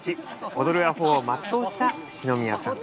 踊る阿呆を全うした四宮さん。